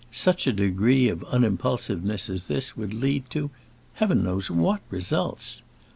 Such a degree of unimpulsiveness as this would lead to heaven knows what results!